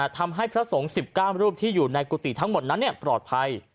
พระสงฆ์๑๙รูปที่อยู่ในกุฏิทั้งหมดนั้นปลอดภัย